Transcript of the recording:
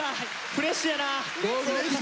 フレッシュやな。